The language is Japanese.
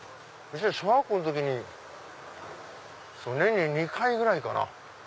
小学校の時に年に２回ぐらいかな。